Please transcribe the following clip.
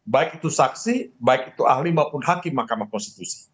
baik itu saksi baik itu ahli maupun hakim mahkamah konstitusi